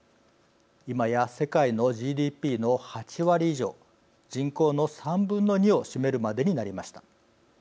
今や世界のＧＤＰの８割以上人口の３分の２を占めるまでになりました。